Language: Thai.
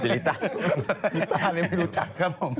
สิริต้าไม่รู้จักครับผม